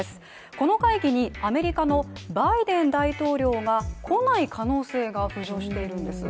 この会議にアメリカのバイデン大統領が来ない可能性が浮上しているんです。